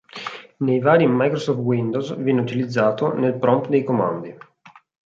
Nei vari Microsoft Windows viene utilizzato nel "Prompt dei comandi".